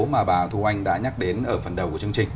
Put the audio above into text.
mà bà thu oanh đã nhắc đến ở phần đầu của chương trình